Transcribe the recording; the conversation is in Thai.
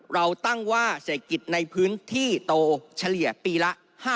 เราตั้งว่าเศรษฐกิจในพื้นที่โตเฉลี่ยปีละ๕๐